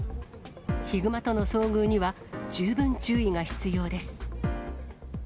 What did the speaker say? ヒグマとの遭遇には十分注意が必要です。